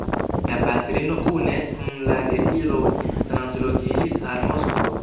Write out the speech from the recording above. La patrino kune kun la gefiloj translokiĝis al Moskvo.